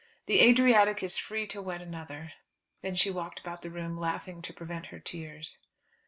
The Adriatic is free to wed another." Then she walked about the room, laughing to prevent her tears.